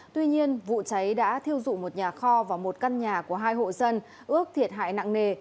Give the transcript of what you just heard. tuy nhiên vụ cháy đã thiêu dụi một nhà kho và một căn nhà của hai hộ dân ước thiệt hại nặng nề